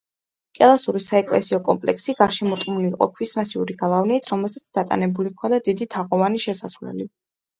კელასურის საეკლესიო კომპლექსი გარშემორტყმული იყო ქვის მასიური გალავნით, რომელსაც დატანებული ჰქონდა დიდი თაღოვანი შესასვლელი.